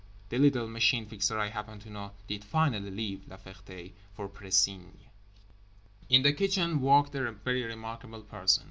The little Machine Fixer, I happen to know, did finally leave La Ferté—for Précigne. … In the kitchen worked a very remarkable person.